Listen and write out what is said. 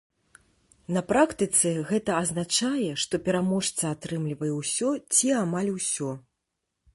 На практыцы гэта азначае, што пераможца атрымлівае ўсё ці амаль усё.